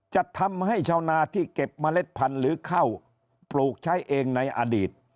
จะทำให้ชาวนาที่เก็บเมล็ดพันธุ์หรือข้าวปลูกใช้เองในอดีต